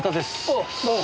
ああどうも。